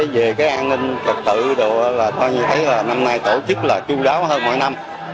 về cái an ninh trật tự đồ là coi như thấy là năm nay tổ chức là chú đáo hơn mỗi năm